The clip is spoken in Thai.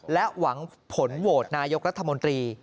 และหวังผลโหวตนายกรัฐมนตรี